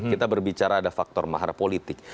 kita berbicara ada faktor maharapolitik